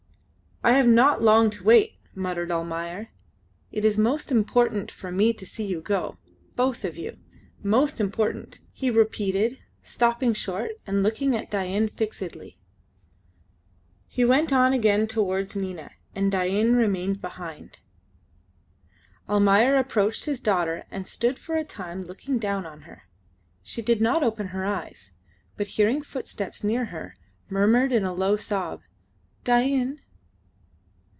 "I have not long to wait," muttered Almayer. "It is most important for me to see you go. Both of you. Most important," he repeated, stopping short and looking at Dain fixedly. He went on again towards Nina, and Dain remained behind. Almayer approached his daughter and stood for a time looking down on her. She did not open her eyes, but hearing footsteps near her, murmured in a low sob, "Dain."